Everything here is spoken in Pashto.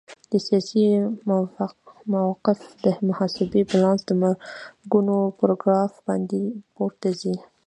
د سیاسي موقف د محاسبې بیلانس د مرګونو پر ګراف باندې پورته ځي.